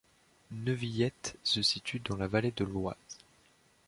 Neuvillette se situe dans la vallée de l'Oise.